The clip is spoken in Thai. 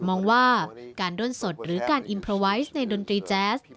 มองว่าการด้นสดหรือการอินเพอร์ไวท์ในดนตรีแจ๊ส